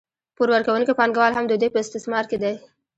پور ورکوونکي پانګوال هم د دوی په استثمار کې دي